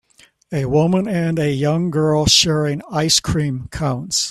A woman and a young girl sharing ice cream cones